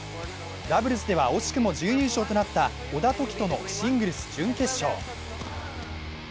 ダブルスでは惜しくも準優勝となった小田凱人のシングルス準決勝。